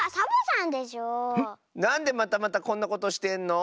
なんでまたまたこんなことしてんの？